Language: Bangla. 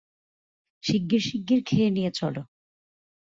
শিগগির শিগগির খেয়ে নিয়ে চলো।